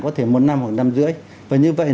có thể một năm hoặc năm rưỡi và như vậy